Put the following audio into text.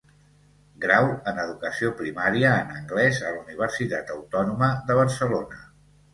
Grau en educació primària en anglès a la Universitat Autònoma de Barcelona.